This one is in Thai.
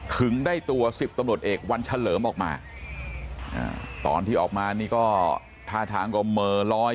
ถึงได้ตัว๑๐ตำรวจเอกวันเฉลิมออกมาตอนที่ออกมานี่ก็ท่าทางก็เหม่อลอย